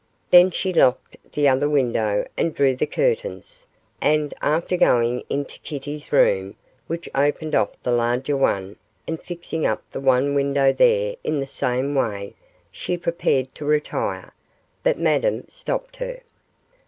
Then she locked the other window and drew the curtains, and, after going into Kitty's room, which opened off the larger one, and fixing up the one window there in the same way, she prepared to retire, but Madame stopped her.